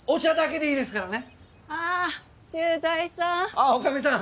あっ女将さん。